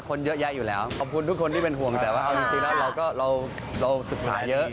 คนเยอะแยะอยู่แล้วขอบคุณทุกคนที่เป็นห่วงแต่ว่าเอาจริงแล้วเราก็เราศึกษาเยอะ